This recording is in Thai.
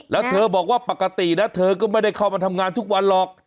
แล้วเธอบอกว่าปกตินะเธอก็ไม่ได้เข้ามาทำงานทุกวันหรอก